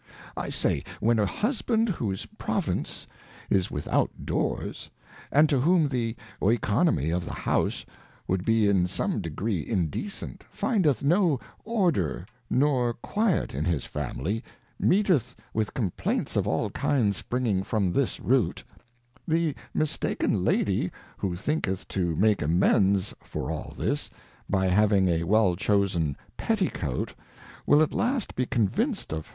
I saj^, when a Husband, whose Province is without Doors, and to whom the Oeconomy of the House would be in some degree Indecent, findeth no Order nor Quiet in his Family, meeteth with Complaints of all kinds springing from this Root; The Mistaken Lady, who thinketh to make amends for all this, by having a well chosen Petty Coat, will at last be convinced of her 2 2 Advice to a Daughter.